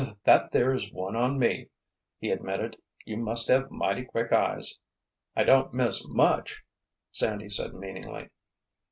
"That there is one on me!" he admitted. "You must have mighty quick eyes." "I don't miss much!" Sandy said meaningly.